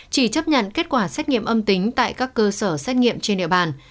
chỉ chấp nhận kết quả xét nghiệm âm tính tại các cơ sở xét nghiệm trên địa bàn